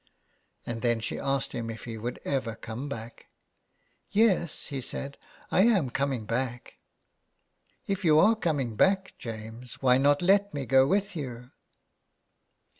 And then she asked him if he would ever come back. " Yes/' he said, " 1 am coming back." " If you are coming back, James, why not let me go with you?"